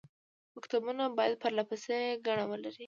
مکتوبونه باید پرله پسې ګڼه ولري.